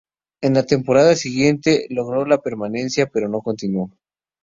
En la temporada siguiente, logró la permanencia, pero no continuó.